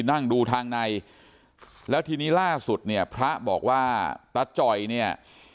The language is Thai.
นั่งดูทางในแล้วทีนี้ล่าสุดเนี่ยพระบอกว่าตาจ่อยเนี่ย